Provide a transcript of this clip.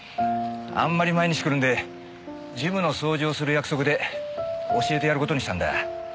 あんまり毎日来るんでジムの掃除をする約束で教えてやる事にしたんだ。